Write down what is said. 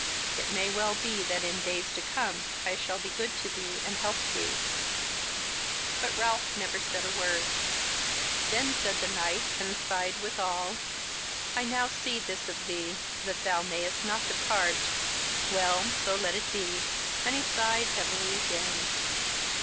It may well be that in days to come I shall be good to thee, and help thee." But Ralph said never a word. Then said the knight, and sighed withal: "I now see this of thee, that thou mayst not depart; well, so let it be!" and he sighed heavily again.